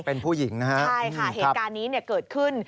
เป็นผู้หญิงนะครับใช่ค่ะเหตุการณ์นี้เกิดขึ้น